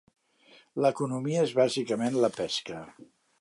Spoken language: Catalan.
L'economia és bàsicament la pesca.